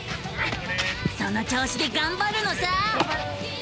その調子でがんばるのさ！